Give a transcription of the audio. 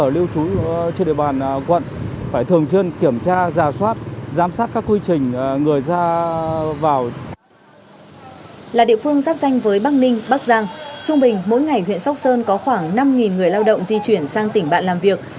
là địa phương giáp danh với bắc ninh bắc giang trung bình mỗi ngày huyện sóc sơn có khoảng năm người lao động di chuyển sang tỉnh bạn làm việc